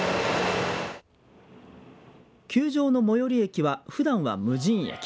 球場の最寄り駅はふだんは無人駅。